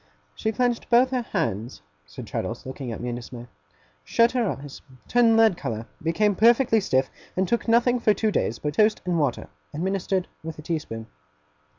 'She clenched both her hands,' said Traddles, looking at me in dismay; 'shut her eyes; turned lead colour; became perfectly stiff; and took nothing for two days but toast and water, administered with a tea spoon.